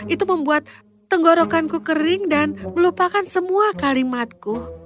itu membuat tenggorokanku kering dan melupakan semua kalimatku